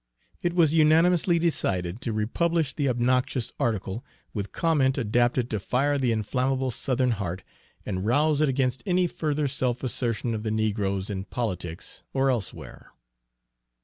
It was unanimously decided to republish the obnoxious article, with comment adapted to fire the inflammable Southern heart and rouse it against any further self assertion of the negroes in politics or elsewhere.